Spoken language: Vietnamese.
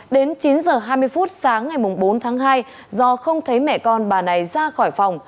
đến chín h hai mươi phút sáng ngày bốn tháng hai do không thấy mẹ con bà này ra khỏi phòng